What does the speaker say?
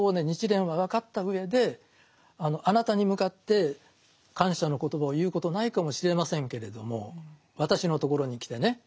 日蓮は分かったうえであなたに向かって感謝の言葉を言うことないかもしれませんけれども私のところに来てね